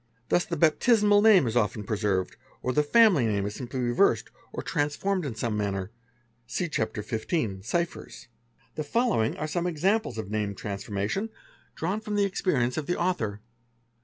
| s the baptismal name is often preserved, or the family name is simply Bred or transformed 1 in some manner. (See Chap. XV., " Ciphers.'') 'he following are some examples of name transformation, drawn 304 PRACTICES OF CRIMINALS from the experience of the author.